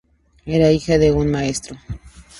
Era hija de un maestro.